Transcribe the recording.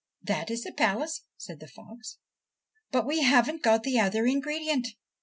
' That is the place,' said the fox ;' but we haven't got the other ingredient !